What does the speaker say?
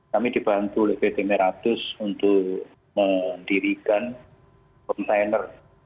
kami dibantu oleh pt meratus untuk mendirikan container